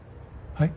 はい。